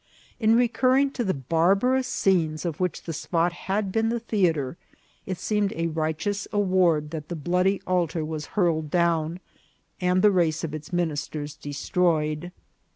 In recurring to the barba rous scenes of which the spot had been the theatre, it seemed a righteous award that the bloody altar was hurled down, and the race of its ministers destroyed.